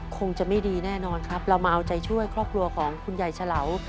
คงจะไม่ดีแน่นอนครับเรามาเอาใจช่วยครอบครัวของคุณยายเฉลา